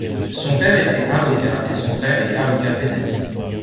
Son père était avocat et son frère est avocat pénaliste.